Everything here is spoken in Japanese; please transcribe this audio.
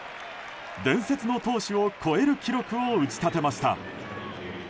伝説の投手を超える記録を打ち立てました。